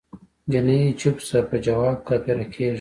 جینی چپ شه په جواب کافره کیږی